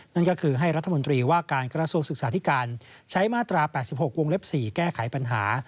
นั่นก็คือให้รัฐมนตรีว่าการกระทรวงศึกษาธิการใช้มาตรา๘๖วงเล็บ๔แก้ไขปัญหา